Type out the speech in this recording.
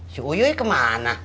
si uyuy kemana